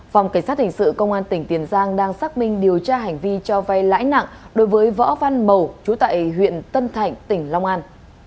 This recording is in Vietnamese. phòng cảnh sát hình sự công an tỉnh tiền giang đang xác minh điều tra hành vi cho vay lãi nặng đối với võ văn mầu chú tại huyện tân thạnh tỉnh long an